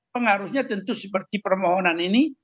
pengaruhnya tentu seperti permohonan ini